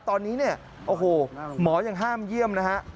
ตอนนี้เนี่ยโอ้โหหมอยังห้ามเยี่ยมนะฮะ